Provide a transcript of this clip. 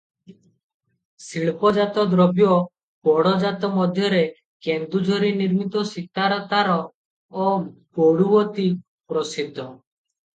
ଶିଳ୍ପଜାତଦ୍ରବ୍ୟ—ଗଡ଼ଜାତ ମଧ୍ୟରେ କେନ୍ଦୁଝରୀ ନିର୍ମିତ ସିତାର ତାର ଓ ଗଡ଼ୁ ଅତି ପ୍ରସିଦ୍ଧ ।